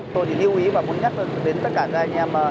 tôi thì lưu ý và muốn nhắc đến tất cả các anh em